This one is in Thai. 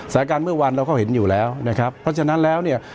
สถานการณ์เมื่อวานเราก็เห็นอยู่แล้วนะครับเพราะฉะนั้นแล้วเนี่ย